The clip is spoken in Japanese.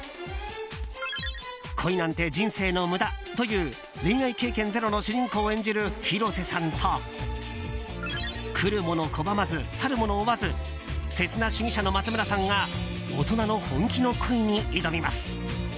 恋なんて人生の無駄という恋愛経験ゼロの主人公を演じる広瀬さんと来る者拒まず去る者追わず刹那主義者の松村さんが大人の本気の恋に挑みます。